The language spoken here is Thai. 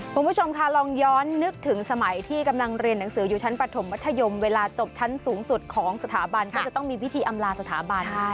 คุณผู้ชมค่ะลองย้อนนึกถึงสมัยที่กำลังเรียนหนังสืออยู่ชั้นปฐมมัธยมเวลาจบชั้นสูงสุดของสถาบันก็จะต้องมีพิธีอำลาสถาบัน